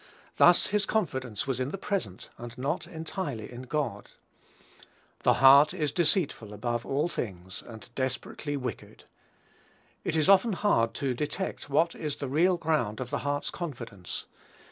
Thus his confidence was in the "present," and not entirely in God. "The heart is deceitful above all things, and desperately wicked." It is often hard to detect what is the real ground of the heart's confidence.